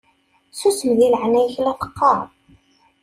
Susem deg leɛnaya-k la teqqaṛ!